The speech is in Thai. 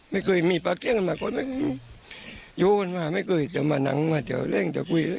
ไม่เคยมีพักเดี้ยงเหมือนก็ไม่ให้เล่ง